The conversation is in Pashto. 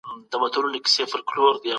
د بیکارۍ د له منځه وړلو لپاره کار وکړئ.